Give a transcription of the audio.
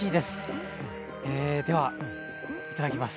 えではいただきます。